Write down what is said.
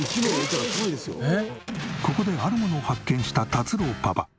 ここであるものを発見した達郎パパ。